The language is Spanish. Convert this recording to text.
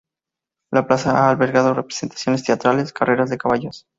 La plaza ha albergado representaciones teatrales, carreras de caballos.